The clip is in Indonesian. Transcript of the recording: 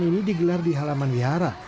pemerintah juga menggelar di halaman vihara